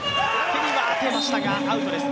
手に当てましたがアウトです。